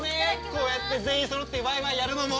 こうやって全員そろってワイワイやるのも。